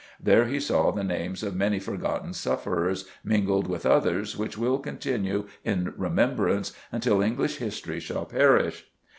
There he saw the names of many forgotten sufferers mingled with others which will continue in remembrance until English history shall perish.